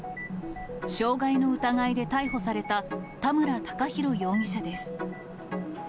傷害の疑いで逮捕された田村孝広容疑者です。